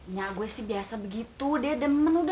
nyak gue sih biasa begitu deh demen udah